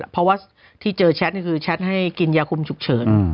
เพราะว่าที่เจอแชทนี่คือแชทให้กินยาคุมฉุกเฉิน